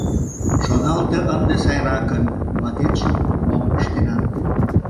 Шоналте ынде сайракын: ватетшым мом ыштенат?!